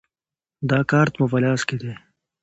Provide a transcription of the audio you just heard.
دا کارت مو په لاس کې دی.